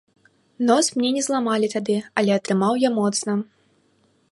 Нос мне не зламалі тады, але атрымаў я моцна.